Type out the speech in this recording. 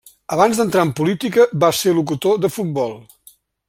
Abans d'entrar en política va ser locutor de futbol.